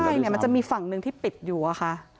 ใช่เนี่ยมันจะมีฝั่งหนึ่งที่ปิดอยู่อะค่ะ